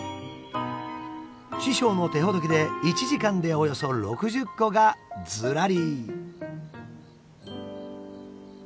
師匠の手ほどきで１時間でおよそ６０個がずらり。